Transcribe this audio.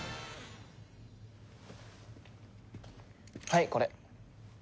はいこれ。